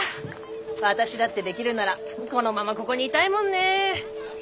私だってできるならこのままここにいたいもんねぇ。